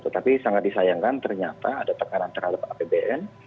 tetapi sangat disayangkan ternyata ada tekanan terhadap apbn